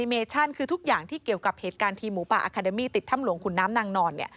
แอนิเมชั่นคือทุกอย่างที่เกี่ยวกับเหตุการณ์ทีมหมูป่าอาคาเดมี่เราติดท่ำหลวงคุณน้ำน่านอน